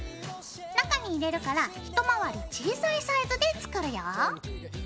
中に入れるから一回り小さいサイズで作るよ。